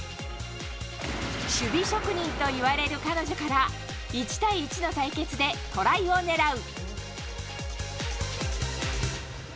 守備職人といわれる彼女から１対１の対決でトライを狙う。